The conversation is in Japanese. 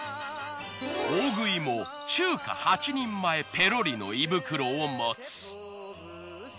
大食いも中華８人前ペロリの胃袋を持つ。